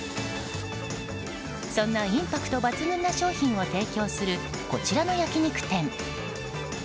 そんなインパクト抜群の商品を提供するこちらの焼き肉店。